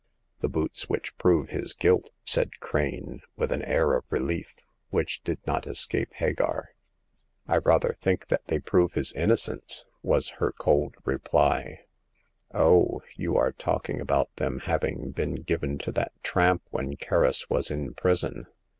" The boots which prove his guilt," said Crane, with an air of reUef, which did not escape Hagar. I rather think that they prove his inno cence !" was her cold reply. Oh ! you are talking about them having been given to that tramp when Kerris was in prison.